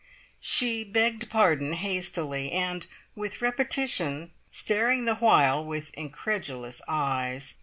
She "begged pardon" hastily, and with repetition, staring the while with incredulous eyes.